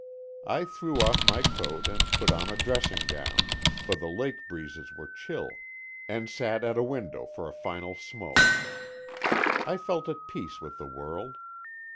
I threw off my coat and put on a dressing gown, for the lake breezes were chill, and sat at a window for a final smoke. I felt at peace with the world.